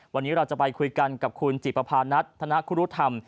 วันนี้เราจะไปคุยกันกับคุณจิปภานัทธนคุรุธรรม